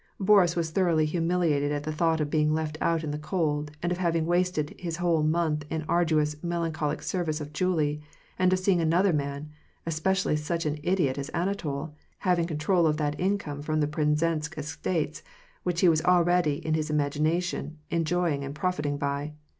Boris was thoroughly humiliated at the thought of being left out in the cold, and of having wasted this whole month in arduous, melancholic service of Julie, and of seeing another man — especially such an idiot as Anatol — having control of that income from the Penzensk estates, which he was already, in his imagination, enjoying and prefiting by.